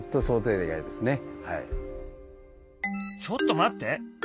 ちょっと待って。